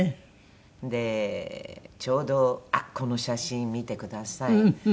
でちょうどあっこの写真見てください。